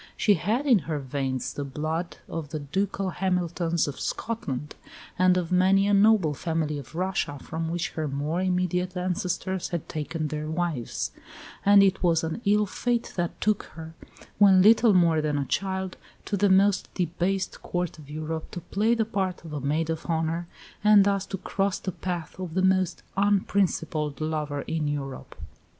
She had in her veins the blood of the ducal Hamiltons of Scotland, and of many a noble family of Russia, from which her more immediate ancestors had taken their wives; and it was an ill fate that took her, when little more than a child, to the most debased Court of Europe to play the part of maid of honour, and thus to cross the path of the most unprincipled lover in Europe.